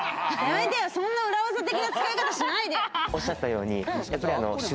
そんな裏技的な使い方しないで！